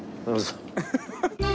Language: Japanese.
アハハハ。